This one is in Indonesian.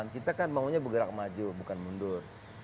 kita kan maunya bergerak maju bukan mundur